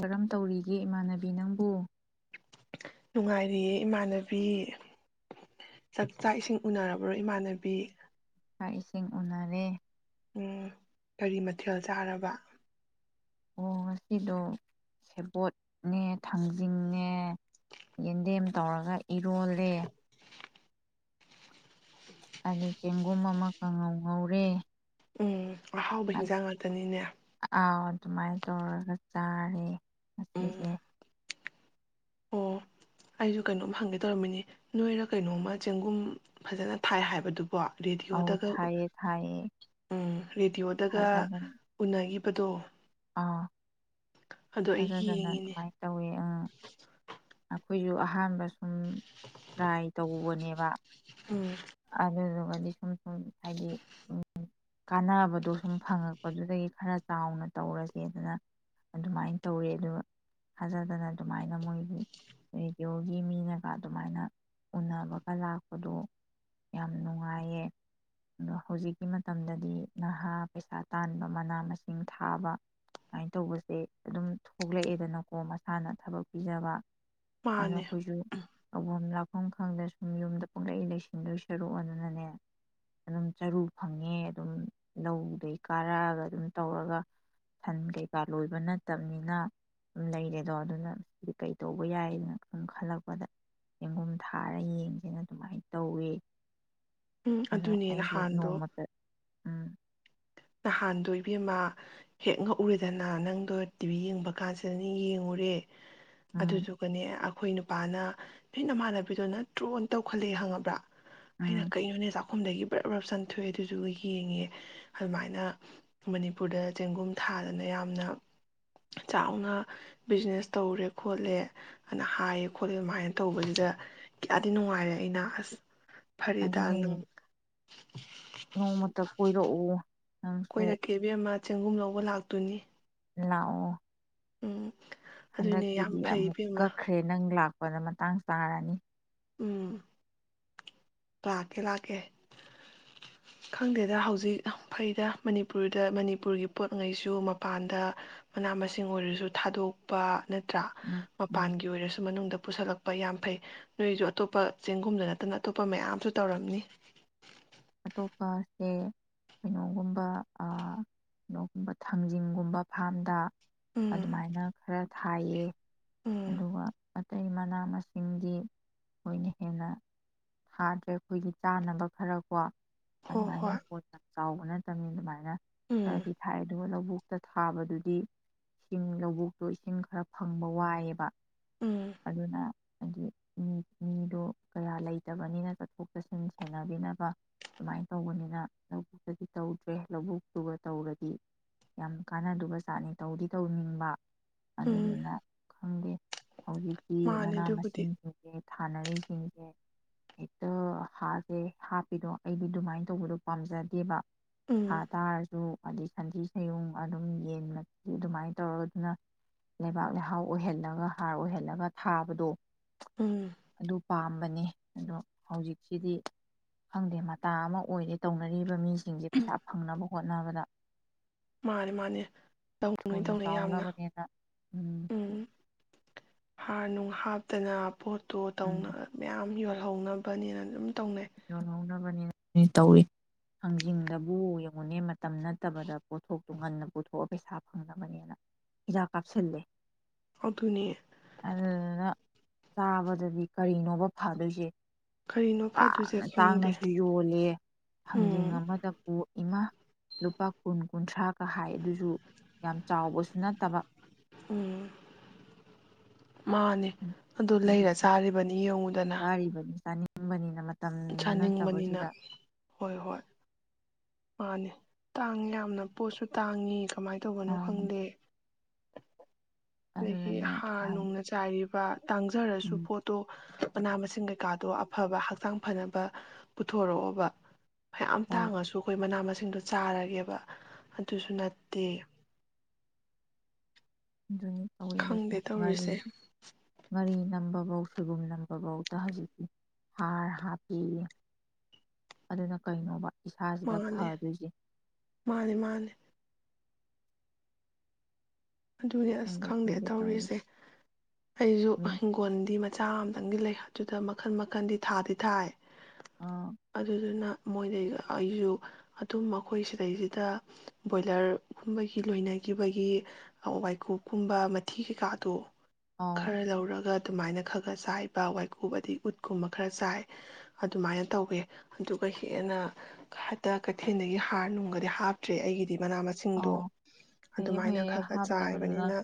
ꯀꯔꯝ ꯇꯧꯔꯤꯒꯦ ꯏꯃꯥꯟꯅꯕꯤ ꯅꯪꯕꯨ ꯅꯨꯡꯉꯥꯏꯔꯤꯌꯦ ꯏꯃꯥꯟꯅꯕꯤ ꯆꯥꯛ ꯆꯥꯛ ꯏꯁꯤꯡ ꯎꯅꯔꯕ꯭ꯔꯣ ꯏꯃꯥꯟꯅꯕꯤ ꯆꯥꯛ ꯏꯁꯤꯡ ꯎꯅꯔꯦ ꯎꯝ ꯀꯔꯤ ꯃꯊꯦꯜ ꯆꯥꯔꯕ ꯑꯣ ꯉꯁꯤꯗꯣ ꯁꯦꯕꯣꯠꯅꯦ ꯊꯥꯡꯖꯤꯡꯅꯦ ꯌꯦꯟꯗꯦꯝ ꯇꯧꯔꯒ ꯏꯔꯣꯜꯂꯦ ꯑꯗꯨ ꯆꯦꯡꯒꯨꯝ ꯑꯃ ꯀꯥꯡꯉꯧ ꯉꯧꯔꯦ ꯎꯝ ꯑꯍꯥꯎꯕ ꯍꯤꯟꯖꯥꯡ ꯉꯥꯛꯇꯅꯤꯅꯦ ꯑꯥ ꯑꯗꯨꯃꯥꯏꯅ ꯇꯧꯔꯒ ꯆꯥꯔꯦ ꯎꯝ ꯉꯁꯤꯁꯦ ꯑꯣ ꯑꯩꯁꯨ ꯀꯩꯅꯣꯝ ꯍꯪꯒꯦ ꯇꯧꯔꯝꯃꯤꯅꯤ ꯅꯣꯏꯔ ꯀꯩꯅꯣꯝꯃ ꯆꯦꯡꯒꯨꯝ ꯐꯖꯅ ꯊꯥꯏ ꯍꯥꯏꯕꯗꯨ ꯀꯣ ꯑꯧ ꯔꯦꯗꯤꯑꯣꯗꯒ ꯊꯥꯏꯌꯦ ꯊꯥꯏꯌꯦ ꯎꯝ ꯔꯦꯗꯤꯑꯣꯗꯒ ꯊꯥꯖꯗꯅ ꯎꯅꯈꯤ ꯕꯗꯣ ꯑꯥ ꯑꯩ ꯊꯥꯖꯗꯅ ꯌꯦꯡꯉꯤꯅꯦ ꯑꯗꯨꯃꯥꯏꯅ ꯇꯧꯋꯤ ꯑ ꯑꯣꯏꯈꯣꯏꯌꯨ ꯑꯍꯥꯟꯕ ꯎꯝ ꯇ꯭ꯔꯥꯏ ꯇꯧꯕꯅꯦꯕ ꯎꯝ ꯑꯗꯨꯗꯨ ꯑꯃꯗꯤ ꯁꯨꯝ ꯁꯨꯝ ꯍꯥꯏꯗꯤ ꯀꯥꯟꯅꯕꯗꯣ ꯁꯨꯝ ꯐꯪꯉꯛꯄꯗꯨꯗꯒꯤ ꯈꯔ ꯆꯥꯎꯅ ꯇꯧꯔꯁꯦꯗꯅ ꯑꯗꯨꯃꯥꯏꯅ ꯇꯧꯋꯦ ꯑꯗꯨ ꯊꯥꯖꯗꯅ ꯑꯗꯨꯃꯥꯏꯅ ꯃꯣꯏꯒꯤ ꯔꯦꯗꯤꯑꯣꯒꯤ ꯃꯤꯅꯒ ꯑꯗꯨꯃꯥꯏꯅ ꯎꯅꯕꯒ ꯂꯥꯛꯄꯗꯣ ꯌꯥꯝ ꯅꯨꯡꯉꯥꯏꯌꯦ ꯑꯗꯣ ꯍꯧꯖꯤꯛꯀꯤ ꯃꯇꯝꯗꯗꯤ ꯅꯍꯥ ꯄꯩꯁꯥ ꯇꯥꯟꯕ ꯃꯅꯥ ꯃꯁꯤꯡ ꯊꯥꯕ ꯁꯨꯃꯥꯏꯅ ꯇꯧꯕꯁꯦ ꯑꯗꯨꯝ ꯊꯣꯛꯂꯛꯑꯦꯗꯅꯀꯣ ꯃꯁꯥꯅ ꯊꯕꯛ ꯄꯤꯖꯕ ꯑꯗꯨꯅ ꯃꯥꯅꯦ ꯑꯩꯈꯣꯏꯁꯨ ꯑ ꯑꯃ ꯂꯄ ꯃꯐꯝ ꯈꯪꯗ ꯁꯨꯝ ꯌꯨꯝꯗ ꯄꯣꯛꯂꯩ ꯂꯩꯁꯤꯡꯗꯣꯏ ꯁꯔꯨꯛ ꯑꯗꯨ ꯑꯗꯨꯅꯅꯦ ꯑꯗꯨꯝ ꯆꯔꯨ ꯐꯪꯉꯦ ꯑꯗꯨꯝ ꯂꯧꯗꯩ ꯀꯥꯔꯛꯑꯒ ꯑꯗꯨꯝ ꯇꯧꯔꯒ ꯁꯟ ꯀꯩꯀꯥ ꯂꯣꯏꯕ ꯅꯠꯇꯕꯅꯤꯅ ꯑꯗꯨꯝ ꯂꯩꯔꯦꯗꯣ ꯑꯗꯨꯅ ꯁꯤꯗꯤ ꯀꯩ ꯇꯧꯕ ꯌꯥꯏꯗꯅ ꯁꯨꯝ ꯈꯜꯂꯛꯄꯗ ꯆꯦꯡꯒꯣꯨꯝ ꯊꯥꯔ ꯌꯦꯡꯁꯦꯅ ꯑꯗꯨꯃꯥꯏꯅ ꯇꯧꯋꯦ ꯎꯝ ꯑꯗꯣ ꯑꯗꯨꯅꯦ ꯑꯩꯁꯨ ꯅꯍꯥꯟꯗꯣ ꯅꯣꯡꯃꯇ ꯎꯝ ꯅꯍꯥꯟꯗꯣ ꯏꯕꯦꯝꯃ ꯍꯦꯛ ꯉꯛꯎꯔꯦꯗꯅ ꯅꯪꯗꯣ ꯇꯤꯚꯤ ꯌꯦꯡꯕ ꯀꯥꯟꯁꯤꯗꯅꯦ ꯌꯦꯡꯉꯨꯔꯦ ꯎꯝ ꯑꯗꯨꯗꯨꯒꯅꯦ ꯑꯩꯈꯣꯏ ꯅꯨꯄꯥꯅ ꯅꯣꯏ ꯅꯃꯥꯟꯅꯕꯤꯗꯣ ꯅ ꯇ꯭ꯔꯣꯟ ꯇꯧꯈꯠꯂꯦ ꯈꯪꯉꯕ꯭ꯔꯥ ꯑꯩꯅ ꯎꯝ ꯀꯩꯅꯣꯅꯦ ꯆ ꯑꯈꯨꯝꯗꯒꯤ ꯕ꯭ꯔꯞ ꯕ꯭ꯔꯞ ꯆꯥꯊꯣꯛꯑꯦ ꯑꯗꯨꯗꯨꯒ ꯌꯦꯡꯉꯦ ꯑꯗꯨꯃꯥꯏꯅ ꯃꯅꯤꯄꯨꯔꯗ ꯆꯦꯡꯒꯨꯝ ꯊꯥꯗꯅ ꯌꯥꯝꯅ ꯆꯥꯎꯅ ꯕꯤꯖꯤꯅꯦꯁ ꯇꯧꯔꯦ ꯈꯣꯠꯂꯦ ꯑꯗꯨꯅ ꯍꯥꯏꯌꯦ ꯈꯣꯠꯂꯦ ꯑꯗꯨꯃꯥꯏꯅ ꯇꯧꯕꯁꯤꯗ ꯀꯌꯥꯗꯤ ꯅꯨꯡꯉꯥꯏꯔꯦ ꯑꯩꯅ ꯑꯁ ꯐꯔꯦꯗ ꯑꯗꯨꯅꯦ ꯅꯪ ꯅꯣꯡꯃꯇ ꯀꯣꯏꯔꯛꯎ ꯅꯪꯁꯨ ꯑꯩꯈꯣꯏꯅ ꯀꯦꯕꯤ ꯑꯃ ꯆꯦꯡꯒꯨꯝ ꯂꯧ ꯂꯥꯛꯇꯣꯏꯅꯤ ꯅꯎ ꯎꯝ ꯑꯗꯨꯅꯦ ꯌꯥꯝ ꯍꯟꯗꯛꯀꯤꯗꯤ ꯐꯩ ꯑꯃꯨꯛ ꯏꯕꯦꯝꯃ ꯀꯛꯈ꯭ꯔꯦ ꯅꯪ ꯂꯥꯛ ꯑꯩꯈꯣꯏꯅ ꯃꯇꯥꯡ ꯆꯥꯔꯅꯤ ꯎꯝ ꯂꯥꯛꯀꯦ ꯂꯥꯛꯀꯦ ꯈꯪꯗꯦꯗ ꯍꯧꯖꯤꯛ ꯐꯩꯗ ꯃꯅꯤꯄꯨꯔꯗ ꯃꯅꯤꯄꯨꯔꯒꯤ ꯄꯣꯠꯉꯩꯁꯨ ꯃꯄꯥꯟꯗ ꯃꯅꯥ ꯃꯁꯤꯡ ꯑꯣꯏꯔꯁꯨ ꯊꯥꯗꯣꯛꯄ ꯅꯠꯇ꯭ꯔꯥ ꯎꯝ ꯎꯝ ꯃꯄꯥꯟꯒꯤ ꯑꯣꯏꯔꯁꯨ ꯃꯅꯨꯡꯗ ꯄꯨꯁꯜꯂꯛꯄ ꯌꯥꯝ ꯐꯩ ꯅꯣꯏꯁꯨ ꯑꯇꯣꯞꯄ ꯆꯦꯡꯒꯨꯝꯗ ꯅꯠꯇꯅ ꯑꯇꯣꯞꯄ ꯑꯄ ꯃꯌꯥꯝꯁꯨ ꯇꯧꯔꯝꯅꯤ ꯑꯇꯄꯁꯦ ꯀꯩꯅꯣꯒꯨꯝꯕ ꯀꯩꯅꯣꯒꯨꯝꯕ ꯊꯥꯡꯖꯤꯡꯒꯨꯝꯕ ꯐꯥꯔꯝꯗ ꯎꯝ ꯑꯗꯨꯃꯥꯏꯅ ꯈꯔ ꯊꯌꯦ ꯎꯝ ꯑꯇꯩ ꯃꯅꯥ ꯃꯁꯤꯡꯗꯤ ꯑꯩꯣꯏꯅ ꯍꯦꯟꯅ ꯊꯥꯗ꯭ꯔꯦ ꯑꯩꯈꯣꯏꯒꯤ ꯆꯥꯅꯕ ꯈꯔ ꯀꯣ ꯍꯣ ꯑꯗꯨ ꯃꯅ ꯍꯣꯏ ꯄꯇ ꯆꯥꯎꯕ ꯅꯠꯇꯕꯃꯤ ꯑꯗꯨꯃꯥꯏꯅ ꯎꯝ ꯐꯔꯗꯤ ꯊꯥꯏ ꯑꯗꯨ ꯃ ꯂꯧꯕꯛꯇ ꯊꯥꯕꯗꯨꯗꯤ ꯏꯁꯤꯡ ꯂꯧꯕꯨꯛꯇꯣ ꯏꯁꯤꯡ ꯈꯔ ꯐꯪꯕ ꯋꯥꯏꯑꯦꯕ ꯎꯝ ꯑꯗꯨꯅ ꯍꯥꯏꯗꯤ ꯃꯤ ꯃꯤꯗꯣ ꯀꯌꯥ ꯂꯩꯇꯕꯅꯤꯅ ꯆꯠꯊꯣꯛ ꯆꯠꯁꯤꯟ ꯁꯦꯟꯅꯕꯤꯅꯕ ꯑꯗꯨꯨꯃꯥꯏꯅ ꯇꯧꯕꯅꯤꯅ ꯂꯧꯕꯨꯛꯇꯗꯤ ꯇꯧꯗ꯭ꯔꯦ ꯂꯧꯕꯨꯛꯇꯨꯒ ꯇꯧꯔꯗꯤ ꯌꯥꯝ ꯀꯥꯟꯅꯗꯨꯕꯖꯥꯠꯅꯤ ꯇꯧꯗꯤ ꯇꯧꯅꯤꯡꯕ ꯎꯝ ꯑꯗꯨꯗꯨꯅ ꯈꯪꯗꯦ ꯍꯧꯖꯤꯛꯇꯤ ꯃꯥꯅꯦ ꯃꯅꯥ ꯑꯗꯨꯕꯨꯗꯤ ꯃꯁꯤꯡꯁꯤꯡꯁꯦ ꯊꯥꯅꯔꯤꯁꯤꯡꯁꯦ ꯍ‌ꯦꯛꯇ ꯍꯥꯥꯔꯁ‌ꯦ ꯍꯥꯞ ꯄꯗꯣ ꯑꯩꯗꯤ ꯑꯗꯨꯃꯥꯏꯅ ꯇꯧꯕꯗꯣ ꯄꯥꯝꯖꯗꯦꯕ ꯎꯝ ꯊꯥ ꯇꯥꯔꯁꯨ ꯑꯗꯩ ꯁꯟꯊꯤ ꯁꯌꯨꯡ ꯑꯗꯨꯝ ꯌꯦꯟ ꯃꯊꯤ ꯑꯗꯨꯃꯥꯏꯅ ꯇꯧꯔꯒ ꯑꯗꯨꯅ ꯂꯩꯕꯥꯛ ꯂꯩꯍꯥꯎ ꯑꯣꯏꯍꯜꯂꯒ ꯍꯥꯔ ꯑꯣꯏꯍꯜꯂꯒ ꯊꯥꯕꯗꯣ ꯎꯝ ꯑꯗꯨ ꯄꯥꯝꯕꯅꯤ ꯑꯗꯣ ꯍꯧꯖꯤꯛꯁꯤꯗꯤ ꯈꯪꯗꯦ ꯃꯇꯥ ꯑꯃ ꯑꯣꯏꯔꯦ ꯇꯧꯅꯔꯤꯕ ꯃꯤꯁꯤꯡꯁꯦ ꯄꯩꯁꯥ ꯐꯪꯅꯕ ꯍꯣꯠꯅꯕꯗ ꯃꯥꯅꯤ ꯃꯥꯅꯦ ꯇꯧꯅꯣꯏ ꯊꯨꯅ ꯇꯧꯅꯩ ꯌꯥꯝꯅ ꯆꯥꯎꯅꯕꯅꯦꯅ ꯎꯝ ꯍꯥꯔ ꯅꯨꯡ ꯍꯥꯞꯇꯅ ꯄꯣꯠ ꯇꯣ ꯇꯧꯅ ꯎꯝ ꯃꯌꯥꯝ ꯌꯣꯜꯂꯛ ꯍꯧꯅꯕꯅꯦꯅ ꯑꯗꯨꯝ ꯇꯧꯅꯩ ꯌꯣꯟꯍꯧꯅꯕꯅꯤ ꯇꯧꯔꯤ ꯍꯊꯥꯡꯖꯤꯡꯗꯕꯨ ꯌꯦꯡꯉꯨꯅꯦ ꯇꯝ ꯅꯠꯇꯕꯗ ꯄꯣꯠꯊꯣꯛ ꯇꯨꯡ ꯉꯟꯅ ꯄꯨꯊꯣꯛꯑ ꯄꯩꯁꯥ ꯐꯪꯅꯕꯅꯦꯅ ꯍꯤꯗꯥꯛ ꯀꯥꯞꯁꯤꯜꯂꯦ ꯑꯗꯨꯅꯤ ꯑꯗꯨꯗꯨꯅ ꯆꯥꯕꯗꯗꯤ ꯀꯔꯤꯅꯣꯕ ꯐꯗꯣꯏꯁꯦ ꯀꯔꯤꯅꯣ ꯐꯗꯣꯏꯁꯦ ꯇꯥꯡꯅ ꯈꯪꯗꯦ ꯇꯥꯡꯅꯁꯨ ꯌꯣꯜꯂꯦ ꯊꯥꯡꯖꯤꯡ ꯎꯝ ꯑꯃꯗꯕꯨ ꯏꯃꯥ ꯂꯨꯄꯥ ꯀꯨꯟ ꯀꯨꯟꯊ꯭ꯔꯥꯒ ꯍꯥꯏ ꯑꯗꯨꯁꯨ ꯌꯥꯝ ꯆꯥꯎꯕꯁꯨ ꯅꯠꯇꯕ ꯎꯝ ꯃꯥꯅꯦ ꯑꯗꯨ ꯂꯩꯔ ꯆꯥꯔꯤꯕꯅꯤ ꯌꯦꯡꯉꯨꯅꯦ ꯇꯥꯔꯤꯕ ꯆꯅꯤꯡꯕꯅꯤꯅ ꯆꯥꯅꯤꯡꯕꯅꯤꯅ ꯍꯣꯏ ꯍꯣꯏ ꯃꯥꯅꯦ ꯇꯥꯡꯉꯤ ꯌꯥꯝꯅ ꯄꯣꯠꯁꯨ ꯇꯥꯡꯉꯤ ꯀꯃꯥꯏꯅ ꯇꯧꯕꯅꯣ ꯇꯥꯡꯉꯤ ꯈꯪꯗꯦ ꯑꯗꯒꯤ ꯑꯗꯨꯅꯅꯦ ꯍꯥꯔ ꯍꯥꯏꯗꯤ ꯅꯨꯡꯅ ꯆꯥꯏꯔꯤꯕ ꯇꯥꯡꯖꯔꯁꯨ ꯎꯝ ꯄꯣꯠꯇꯣ ꯃꯅꯥ ꯃꯁꯤꯡ ꯀꯩꯀꯥꯗꯣ ꯑꯐꯕ ꯍꯛꯆꯥꯡ ꯐꯅꯕ ꯄꯨꯊꯣꯔꯛꯑꯣꯕ ꯃꯌꯥꯝ ꯍꯣꯏ ꯇꯥꯡꯉꯁꯨ ꯑꯩꯈꯣꯏ ꯃꯅꯥ ꯃꯁꯤꯡ ꯁꯤꯡꯗꯣ ꯆꯥꯔꯒꯦꯕ ꯑꯗꯨꯁꯨ ꯅꯠꯇꯦ ꯑꯗꯨ ꯇꯧꯔꯤꯕꯁꯦ ꯈꯪꯗꯦ ꯉꯥꯔꯤ ꯇꯧꯔꯤꯁꯦ ꯉꯥꯔꯤ ꯅꯝꯕꯐꯧꯁꯨ ꯁꯣꯏꯕꯨꯝ ꯂꯝꯕꯐꯧꯗ ꯍꯧꯖꯤꯛꯇꯤ ꯍꯥꯔ ꯍꯥꯞꯄꯤꯌꯦ ꯑꯗꯨꯅ ꯀꯩꯅꯣꯕ ꯏꯁꯥꯁꯤꯗ ꯃꯥꯅꯤ ꯐꯗꯣꯏꯁꯦ ꯃꯥꯅꯤ ꯃꯥꯅꯤ ꯑꯗꯨꯅꯦ ꯑꯁ ꯈꯪꯗꯦ ꯇꯧꯔꯤꯁꯦ ꯑꯩꯁꯨ ꯃꯤ ꯍꯪꯒꯣꯜꯗꯤ ꯃꯆꯥ ꯑꯃꯝ ꯈꯤꯇꯪꯒꯤ ꯂꯩꯍ ꯑꯗꯨꯨꯗ ꯃꯈꯜ ꯃꯈꯟꯗꯤ ꯊꯥꯗꯤ ꯊꯥꯏ ꯑꯥ ꯑꯗꯨꯗꯨꯅ ꯃꯣꯏꯗꯩ ꯑꯩꯁꯨ ꯑꯗꯨꯝ ꯑꯩꯣꯏ ꯁꯤꯗꯩꯁꯤꯗ ꯕꯣꯏꯂꯔꯒꯨꯝꯕꯒꯤ ꯂꯣꯏꯅꯈꯤꯕꯒꯤ ꯋꯥꯏꯀꯨꯞ ꯀꯨꯝꯕ ꯃꯊꯤ ꯀꯩꯀꯥꯗꯣ ꯑꯥꯎ ꯈꯔ ꯂꯧꯔꯒ ꯑꯗꯨꯃꯥꯏꯅ ꯈꯔ ꯈꯔ ꯆꯥꯏꯕ ꯋꯥꯏꯀꯨꯞ ꯑꯗꯩ ꯎꯠꯀꯨꯝꯕ ꯈꯔ ꯆꯥꯏ ꯑꯗꯨꯃꯥꯏꯅ ꯇꯧꯋꯦ ꯑꯗꯨꯒ ꯍꯦꯟꯅ ꯍꯛꯇ ꯀꯩꯊꯦꯜꯗꯒꯤ ꯍꯥꯔ ꯅꯨꯡꯒꯗꯤ ꯍꯥꯞꯇ꯭ꯔꯦ ꯑꯩꯒꯤꯗꯤ ꯃꯅꯥ ꯃꯁꯤꯡꯗꯣ ꯑꯥꯎ ꯐꯩꯌꯦ ꯑꯗꯨꯃꯥꯏꯅ ꯐꯩꯌꯦ ꯈꯔꯒꯠ ꯍꯥꯞꯇꯕꯗꯨꯅ ꯄꯥꯏꯕꯅꯤꯅ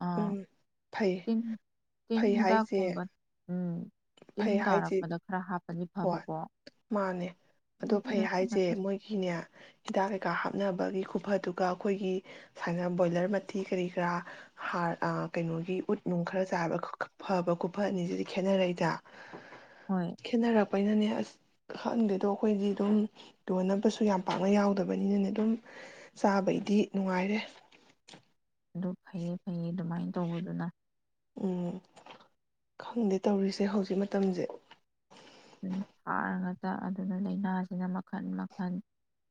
ꯑꯥ ꯎꯝ ꯐꯩ ꯇꯤꯟ ꯇꯤꯟ ꯐꯩ ꯍꯥꯏꯁꯦ ꯍꯤꯗꯥꯛꯀꯨꯝꯕ ꯎꯝ ꯇꯤꯟ ꯐꯩ ꯍꯥꯏꯁꯦ ꯇꯥꯔꯛꯄꯗ ꯈꯔ ꯍꯥꯞ ꯍꯣꯏ ꯃꯥꯅꯦ ꯑꯗꯣ ꯑꯗꯨ ꯐꯩ ꯅꯠꯇꯅ ꯍꯥꯏꯁꯦ ꯃꯣꯏꯒꯤꯅꯦ ꯍꯤꯗꯥꯛ ꯀꯩꯀꯥ ꯍꯥꯞꯅꯕꯒꯤ ꯈꯨꯐꯗꯨꯒ ꯑꯩꯈꯣꯏꯒꯤ ꯁꯨꯃꯥꯏꯅ ꯕꯣꯏꯂꯔ ꯃꯇꯇꯤ ꯀꯔꯤ ꯀꯔꯥ ꯍꯥꯔ ꯀꯩꯅꯣꯒꯤ ꯎꯠ ꯅꯨꯡ ꯈꯔ ꯆꯥꯏꯕ ꯐꯕ ꯈꯨꯐꯠ ꯑꯅꯤꯁꯤꯗꯤ ꯈꯦꯠꯅꯔꯛꯏꯗ ꯍꯣꯏ ꯈꯦꯠꯅꯔꯛꯞ ꯑꯩꯈꯣꯏꯅꯅꯦ ꯑꯁ ꯈꯪꯗꯦꯗꯣ ꯑꯩꯈꯣꯏꯗꯤ ꯑꯗꯨꯝ ꯌꯣꯟꯅꯕꯁꯨ ꯌꯥꯝ ꯄꯥꯛꯅ ꯌꯥꯎꯗꯕꯅꯤꯅꯅꯦ ꯑꯗꯨꯝ ꯆꯥꯕꯩꯗꯤ ꯅꯨꯡꯉꯥꯏꯔꯦ ꯑꯗꯨ ꯐꯩꯌꯦ ꯐꯩꯌꯦ ꯑꯗꯨꯃꯥꯏꯅ ꯇꯧꯕꯗꯨꯅ ꯎꯝ ꯈꯪꯗꯦ ꯇꯧꯔꯤꯁꯦ ꯍꯧꯖꯤꯛ ꯃꯇꯝꯁꯦ ꯑꯗꯨ ꯍꯠ ꯉꯥꯛꯇꯥ ꯑꯗꯨꯅ ꯂꯥꯏꯅꯥꯁꯤꯅ ꯃꯈꯜ ꯃꯈꯜ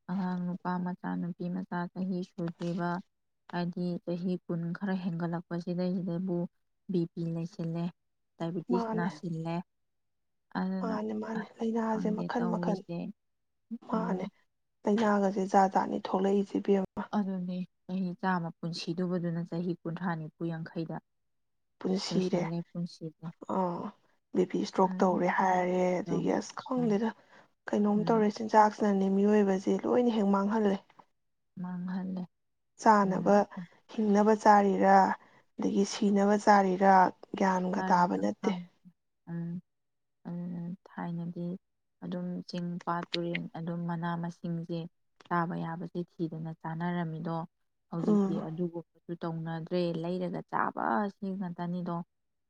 ꯑꯉꯥꯡ ꯅꯨꯄꯥ ꯃꯆꯥ ꯅꯨꯄꯤ ꯃꯆꯥ ꯆꯍꯤ ꯁꯨꯗ꯭ꯔꯤꯕ ꯍꯥꯏꯗꯤ ꯆꯍꯤ ꯀꯨꯟ ꯈꯔ ꯍꯦꯟꯒꯠꯂꯛꯄꯁꯤꯗꯩꯁꯤꯗꯕꯨ ꯕꯤ ꯄꯤ ꯂꯩꯁꯤꯜꯂꯦ ꯗꯥꯏꯕꯤꯇꯤꯁ ꯃꯥꯅꯦ ꯅꯥꯁꯤꯜꯂꯦ ꯑꯗꯨꯅ ꯃꯥꯅꯦ ꯃꯥꯅꯦ ꯑꯁ ꯂꯥꯏꯅꯥꯁꯦ ꯈꯪꯗꯦ ꯃꯈꯟ ꯃꯈꯜ ꯇꯧꯔꯤꯁꯦ ꯎꯝ ꯃꯥꯅꯦ ꯂꯥꯏꯅꯥꯒꯁꯦ ꯖꯥ ꯖꯥꯠꯅꯤ ꯊꯣꯛꯂꯛꯏꯁꯦ ꯏꯕꯦꯝꯃ ꯑꯗꯨꯗꯅꯦ ꯆꯍꯤ ꯆꯥꯝꯃ ꯄꯨꯟꯁꯤꯗꯨꯕꯗꯨꯅ ꯆꯍꯤ ꯀꯨꯟꯊ꯭ꯔꯥ ꯅꯤꯐꯨ ꯌꯥꯡꯈꯩꯗ ꯄꯨꯟꯁꯤꯔꯦ ꯂꯣꯏꯁꯤꯜꯂꯦ ꯄꯨꯟꯁꯤꯁꯦ ꯑꯣ ꯕꯦꯕꯤ ꯏꯁꯇ꯭ꯔꯣꯛ ꯇꯧꯔꯦ ꯑꯗꯨꯝ ꯍꯥꯏꯔꯦ ꯑꯗꯒꯤ ꯑꯁ ꯈꯪꯗꯦꯗ ꯀꯩꯅꯣꯝ ꯎꯝ ꯇꯧꯔꯦ ꯆꯤꯟꯖꯥꯛꯁꯤꯅꯅꯤ ꯃꯤꯑꯣꯏꯕꯁꯦ ꯂꯣꯏꯅ ꯍꯦꯛ ꯃꯥꯡꯍꯜꯂꯦ ꯃꯥꯡꯍꯜꯂꯦ ꯑꯗꯨꯅ ꯆꯥꯅꯕ ꯍꯤꯡꯅꯕ ꯆꯥꯔꯤꯔꯥ ꯑꯗꯒꯤ ꯁꯤꯅꯕ ꯆꯥꯔꯤꯔꯥ ꯒ꯭ꯌꯥꯟꯒ ꯇꯥꯕ ꯍꯥꯏꯔꯤꯕ ꯅꯠꯇꯦ ꯐꯪꯉꯦ ꯎꯝ ꯊꯥꯏꯅꯗꯤ ꯑꯗꯨꯝ ꯆꯤꯡ ꯄꯥꯠ ꯇꯨꯔꯦꯟ ꯑꯗꯨꯝ ꯃꯅꯥ ꯃꯁꯤꯡꯁꯦ ꯇꯥꯕ ꯌꯥꯕꯁꯦ ꯊꯤꯗꯅ ꯆꯥꯅꯔꯝꯃꯤꯗꯣ ꯎꯝ ꯍꯧꯖꯤꯛꯇꯤ ꯑꯗꯨꯕꯨ ꯇꯧꯅꯗ꯭ꯔꯦ ꯂꯩꯔꯒ ꯆꯥꯕꯁꯤꯡꯦꯡ ꯉꯇꯅꯤꯗꯣ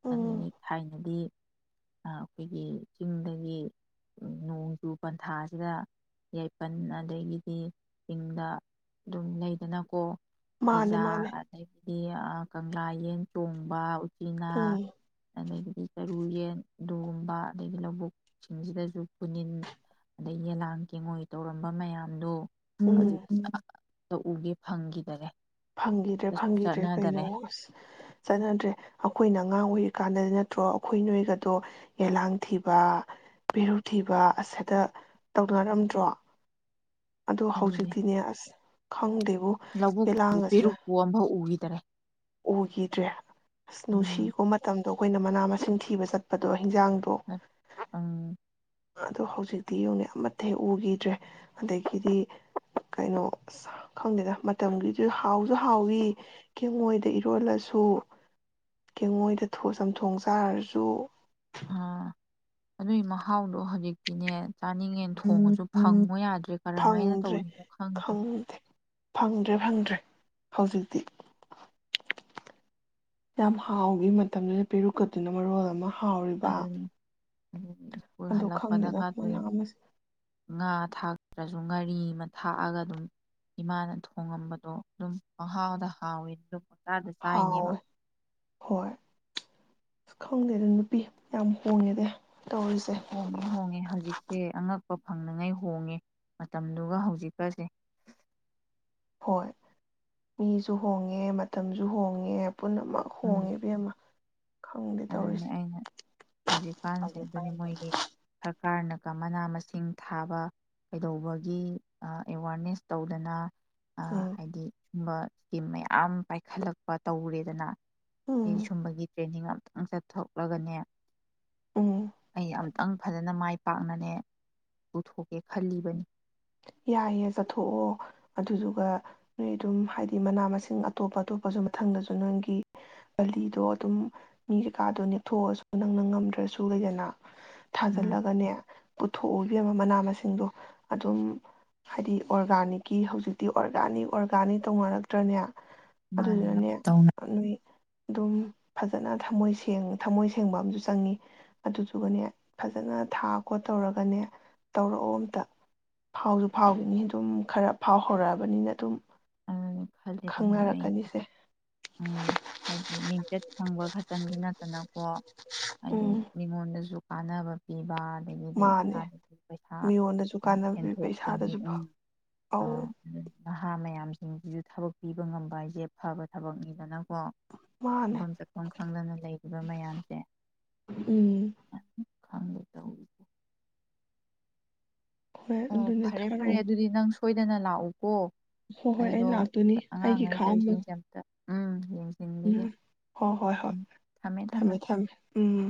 ꯎꯝ ꯑꯗꯨꯗꯒꯤ ꯊꯥꯏꯅꯗꯤ ꯑꯩꯈꯣꯏꯒꯤ ꯆꯤꯡꯗꯒꯤ ꯅꯣꯡꯖꯨ ꯄꯟꯊꯥꯁꯤꯗ ꯌꯥꯏꯄꯟ ꯑꯗꯒꯤꯗꯤ ꯆꯤꯡꯗ ꯑꯗꯨꯝ ꯂꯩꯗꯅꯀꯣ ꯃꯥꯅꯦ ꯐꯩꯖꯥ ꯃꯥꯅꯦ ꯑꯗꯒꯤꯗꯤ ꯀꯪꯂꯥ ꯌꯦꯟ ꯆꯣꯡꯕ ꯅꯥ ꯎꯝ ꯑꯗꯒꯤꯗꯤ ꯆꯔꯨ ꯌꯦꯟ ꯑꯗꯨꯒꯨꯝꯕ ꯑꯗꯩꯗꯤ ꯂꯧꯕꯨꯛꯁꯤꯡꯁꯤꯗꯁꯨ ꯐꯨꯅꯤꯟ ꯑꯗꯩ ꯌꯦꯂꯥꯡ ꯀꯦꯡꯉꯣꯏ ꯇꯧꯔꯝꯕ ꯃꯌꯥꯝꯗꯣ ꯎꯝ ꯇꯎꯒꯦ ꯐꯪꯈꯤꯗꯔꯦ ꯐꯪꯈꯤꯗ꯭ꯔꯦ ꯆꯠꯁꯨ ꯐꯪꯈꯤꯗ꯭ꯔꯦ ꯆꯠꯅꯗꯔꯦ ꯀꯩꯅꯣ ꯑꯁ ꯆꯠꯅꯗ꯭ꯔꯦ ꯑꯩꯈꯣꯏꯅ ꯑꯉꯥꯡ ꯑꯣꯏꯔꯤ ꯀꯥꯟꯗꯗꯤ ꯅꯠꯇ꯭ꯔꯣ ꯑꯩꯈꯣꯏ ꯅꯣꯏꯒꯗꯣ ꯌꯦꯂꯥꯡ ꯊꯤꯕ ꯄꯦꯔꯨ ꯊꯤꯕ ꯑꯁꯤꯁꯗ ꯇꯧꯅꯔꯝꯗ꯭ꯔꯣ ꯑꯗꯨ ꯑꯗꯨꯅꯤ ꯍꯧꯖꯤꯛꯇꯤꯅꯦ ꯑꯁ ꯈꯪꯗꯦꯕ ꯂꯧꯕꯨꯛꯄꯨ ꯌꯦꯂꯥꯡ ꯑꯁꯤꯅ ꯄꯦꯔꯨꯛꯄꯨ ꯑꯝꯐꯥꯎ ꯎꯈꯤꯗꯔꯦ ꯎꯈꯤꯗ꯭ꯔꯦ ꯑꯁ ꯎꯝ ꯅꯨꯡꯁꯤꯕ ꯃꯇꯝꯗ ꯑꯗꯣ ꯑꯩꯈꯣꯏꯅ ꯃꯅꯥ ꯃꯁꯤꯡ ꯊꯤꯕ ꯆꯠꯄꯗꯣ ꯍꯤꯟꯖꯥꯡꯗꯣ ꯎꯝ ꯑꯗꯣ ꯍꯧꯖꯤꯛꯇꯤ ꯌꯦꯡꯅꯩ ꯑꯃꯠꯇ ꯍꯦꯛ ꯎꯈꯤꯗ꯭ꯔꯦ ꯑꯗꯒꯤꯗꯤ ꯀꯩꯅꯣ ꯈꯪꯗꯦꯗ ꯃꯇꯝꯒꯤꯁꯨ ꯍꯥꯎꯁꯨ ꯍꯥꯎꯏꯤ ꯀꯦꯡꯉꯣꯏꯗ ꯏꯔꯣꯜꯂꯁꯨ ꯀꯦꯡꯉꯣꯏꯗ ꯆꯝꯊꯣꯡ ꯆꯥꯔꯁꯨ ꯑꯥ ꯑꯗꯨꯒꯤ ꯃꯍꯥꯎꯗꯣ ꯍꯧꯖꯤꯛꯇꯤꯅꯦ ꯆꯥꯅꯤꯡꯉꯦ ꯊꯣꯡꯉꯁꯨ ꯐꯪꯉꯣ ꯌꯥꯗ꯭ꯔ ꯦ ꯀꯔꯝꯍꯥꯏꯅ ꯐꯪꯗ꯭ꯔꯦ ꯇꯧꯔꯤꯅꯣ ꯈꯪꯗ꯭ꯔꯦ ꯈꯪꯗꯦ ꯐꯪꯗ꯭ꯔꯦ ꯐꯪꯗ꯭ꯔꯦ ꯍꯧꯖꯤꯛꯇꯤ ꯌꯥꯝ ꯍꯥꯎꯈꯤ ꯃꯇꯝꯗꯨꯗ ꯄꯦꯔꯨꯛꯀꯠꯇꯨꯅ ꯃꯔꯣꯜ ꯑꯃ ꯍꯥꯎꯔꯤꯕ ꯑꯗꯨꯅꯤ ꯑꯗꯨ ꯁ꯭ꯀꯨꯜ ꯑꯗ ꯈꯪꯗꯦꯗ ꯍꯜꯂꯛꯄꯗꯒ ꯃꯅꯥ ꯑꯃꯁꯦ ꯉꯥ ꯊꯥꯛꯇ꯭ꯔꯁꯨ ꯉꯥꯔꯤ ꯑꯃ ꯊꯥꯛꯑꯒ ꯑꯗꯨꯝ ꯏꯃꯥꯅ ꯊꯣꯡꯉꯝꯕꯗꯣ ꯑꯗꯨꯝ ꯃꯍꯍꯥꯎꯗ ꯍꯥꯎꯋꯦ ꯑꯗꯨꯝ ꯍꯇꯥꯗ ꯆꯥꯏꯅꯦꯕ ꯍꯥꯎꯋꯦ ꯍꯣꯏ ꯑꯁ ꯈꯪꯗꯦꯗ ꯅꯨꯄꯤ ꯌꯥꯝ ꯍꯣꯡꯉꯦꯗ ꯇꯧꯔꯤꯁꯦ ꯍꯣꯡꯉꯦ ꯍꯣꯡꯉꯦ ꯍꯧꯖꯤꯛꯁꯦ ꯑꯉꯛ ꯐꯪꯅꯉꯥꯏ ꯍꯣꯡꯉꯤ ꯃꯇꯝꯗꯨꯒ ꯍꯧꯖꯤꯛꯀꯁꯦ ꯍꯣꯏ ꯃꯤꯁꯨ ꯍꯣꯡꯉꯦ ꯃꯇꯝꯁꯨ ꯍꯣꯡꯉꯦ ꯄꯨꯝꯅꯃꯛ ꯍꯣꯡꯉꯤꯕ ꯑꯃ ꯑꯗꯨꯅꯤ ꯑꯩꯅ ꯍꯧꯖꯤꯛꯀꯥꯟꯁꯤꯡ ꯑꯗꯨꯅꯤ ꯃꯣꯏꯒꯤ ꯁꯔꯀꯥꯔꯅꯀ ꯃꯅꯥ ꯃꯁꯤꯡ ꯊꯥꯕ ꯀꯩꯗꯧꯕꯒꯤ ꯑꯦꯋꯥꯔꯅꯦꯁ ꯇꯧꯗꯅ ꯑꯥ ꯎꯝ ꯍꯥꯏꯗꯤ ꯁ ꯏꯁꯀꯤꯝ ꯃꯌꯥꯝ ꯄꯥꯏꯈꯠꯂꯛꯄ ꯇꯧꯔꯦꯗꯅ ꯁꯤ ꯎꯝ ꯁꯨꯝꯕꯒꯤ ꯇ꯭ꯔꯦꯅꯤꯡ ꯑꯃ ꯈꯤꯇꯪ ꯆꯠꯊꯣꯛꯂꯒꯅꯦ ꯎꯝ ꯑꯩ ꯑꯨꯇꯪ ꯐꯖꯅ ꯃꯥꯏ ꯄꯥꯛꯅꯅꯦ ꯄꯨꯊꯣꯛꯀꯦ ꯈꯜꯂꯤꯕꯅꯤ ꯌꯥꯏꯌꯦ ꯆꯠꯊꯣꯛꯑꯣ ꯑꯗꯨꯗꯨꯒ ꯅꯣꯏ ꯑꯗꯨꯝ ꯍꯥꯏꯗꯤ ꯃꯅꯥ ꯃꯁꯤꯡ ꯑꯇꯣꯞꯄ ꯑꯇꯣꯞꯄꯁꯨ ꯃꯊꯪꯗꯁꯨ ꯅꯪꯒꯤ ꯒꯂꯤꯗꯣ ꯑꯗꯨꯝ ꯃꯤ ꯀꯩꯀꯥꯗꯣ ꯅꯦꯛꯊꯣꯛꯑꯁꯨ ꯅꯪꯅ ꯉꯝꯗ꯭ꯔꯁꯨ ꯂꯩꯗꯅ ꯎꯝ ꯊꯥꯖꯤꯜꯂꯒꯅꯦ ꯊꯣꯛꯎꯕꯤ ꯑꯃ ꯃꯅꯥ ꯃꯁꯤꯡꯗꯣ ꯑꯗꯨꯝ ꯍꯥꯏꯗꯤ ꯑꯣꯔꯒꯥꯅꯤꯛꯀꯤ ꯍꯧꯖꯤꯛꯇꯤ ꯑꯣꯔꯒꯥꯅꯤꯛ ꯑꯣꯔꯒꯥꯅꯤꯛ ꯇꯧꯅꯔꯛꯇ꯭ꯔꯅꯦ ꯃꯥꯅꯤ ꯃꯥ ꯑꯗꯨꯅꯦ ꯇꯧꯅ ꯅꯣꯏ ꯑꯗꯨꯝ ꯐꯖꯅ ꯊꯃꯣꯏ ꯊꯝꯃꯣꯏ ꯁꯦꯡꯕ ꯑꯨ ꯆꯪꯉꯤ ꯑꯗꯨꯗꯨꯒꯅꯦ ꯐꯖꯅ ꯊꯥ ꯈꯣꯠ ꯇꯧꯔꯒꯅꯦ ꯇꯧꯔꯛꯑꯣ ꯑꯝꯇ ꯐꯥꯎꯁꯨ ꯐꯥꯎꯈꯤꯅꯤ ꯑꯗꯨꯝ ꯈꯔ ꯐꯥꯎ ꯍꯧꯔꯛꯑꯕꯅꯤꯅ ꯑꯗꯨꯝ ꯑꯣ ꯐꯅꯤꯦ ꯐꯅꯤ ꯑꯩ ꯈꯪꯅꯔꯛꯀꯅꯤꯁꯦ ꯎꯝ ꯍꯥꯏꯕꯤ ꯃꯤꯡ ꯆꯦꯠ ꯐꯪꯕ ꯈꯛꯇꯪꯒꯤ ꯅꯠꯇꯅꯀꯣ ꯍꯥꯏ ꯎꯝ ꯃꯤꯉꯣꯟꯁꯨ ꯀꯥꯟꯅꯕ ꯄꯤꯕ ꯑꯗꯒꯤꯗꯤ ꯃꯥꯅꯦ ꯏꯁꯥꯗꯁꯨ ꯄꯩꯁꯥ ꯃꯤꯉꯣꯟꯗꯁꯨ ꯍꯥꯏꯗꯤ ꯀꯥꯟꯅ ꯄꯤꯕ ꯁꯦꯟꯊꯣꯛ ꯂꯝꯕꯤ ꯏꯁꯩꯥꯗꯁꯨ ꯎꯝ ꯐꯧ ꯎ ꯊꯕꯛ ꯄꯤꯕ ꯉꯝꯕ ꯍꯥꯏꯁꯦ ꯐꯕ ꯊꯕꯛꯅꯤꯗꯅꯀꯣ ꯃꯥꯅꯦ ꯈꯨꯐꯝ ꯆꯥꯐꯝ ꯈꯪꯗꯅ ꯂꯩꯔꯤꯕ ꯃꯌꯥꯝꯁꯦ ꯎꯝ ꯈꯝꯗꯦ ꯇꯧ ꯍꯣꯏ ꯑꯣ ꯑꯗꯨꯅꯦ ꯐꯔꯦ ꯐꯔꯦ ꯊꯥꯔꯛꯑꯣ ꯑꯗꯨꯗꯤ ꯅꯪ ꯁꯣꯏꯗꯅ ꯂꯥꯛꯎꯀꯣ ꯍꯣꯏ ꯍꯣꯏ ꯑꯩ ꯑꯩꯗꯣ ꯂꯥꯛꯇꯣꯏꯅꯤ ꯑꯩꯒꯤ ꯑꯉꯥꯡꯉꯩ ꯈꯥꯛꯑꯝꯃꯣ ꯇꯧꯔꯤꯁꯤꯡꯁꯦ ꯑꯝꯇ ꯎꯝ ꯌꯦꯡꯁꯤꯟꯈꯤꯒꯦ ꯎꯝ ꯍꯣ ꯍꯣꯏ ꯍꯣꯏ ꯊꯝꯃꯦ ꯊꯝꯃꯦ ꯎꯝ